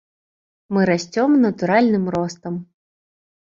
Мы расцём натуральным ростам.